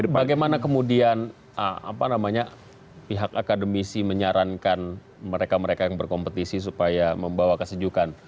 bagaimana kemudian pihak akademisi menyarankan mereka mereka yang berkompetisi supaya membawa kesejukan